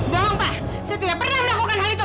bongkok setia pernah melakukan hal itu